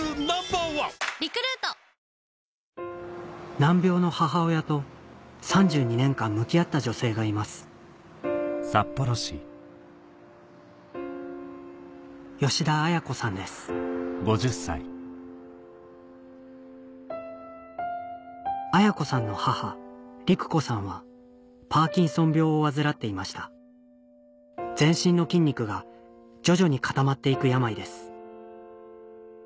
難病の母親と３２年間向き合った女性がいます綾子さんの母陸子さんはパーキンソン病を患っていました全身の筋肉が徐々に固まっていく病です